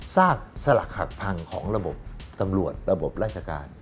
ซากสลักหักพังของระบบตำรวจระบบราชการ